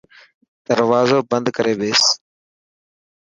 دروازو بند ڪري ٻيس.